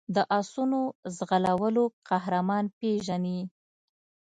د آسونو ځغلولو قهرمان پېژني.